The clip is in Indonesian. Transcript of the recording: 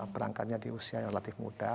berangkatnya di usia yang relatif muda